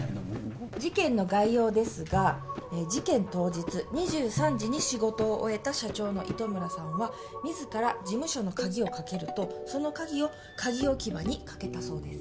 事件の概要ですが事件当日２３時に仕事を終えた社長の糸村さんは自ら事務所の鍵をかけるとその鍵を鍵置き場にかけたそうです